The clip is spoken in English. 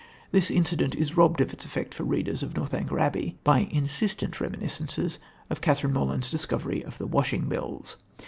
This incident is robbed of its effect for readers of Northanger Abbey by insistent reminiscences of Catherine Morland's discovery of the washing bills.